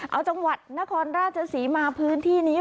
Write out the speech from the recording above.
เอาจังหวัดนครราชศรีมาพื้นที่นี้